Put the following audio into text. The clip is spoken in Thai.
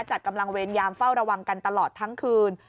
จัดกำลังเวรยามเฝ้าระวังกันตลอดทั้งคืน